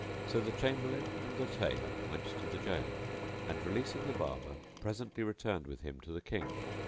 So the Chamberlain and the Tailor went to the jail and, releasing the Barber, presently returned with him to the King.